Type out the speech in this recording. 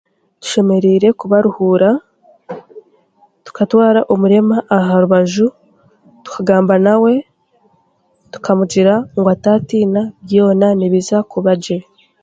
Tushemereire kubaruhuura tukatwara omurema aha rubaju tukagamba nawe tukamugira ngu atatiina byona nibiza kubagye.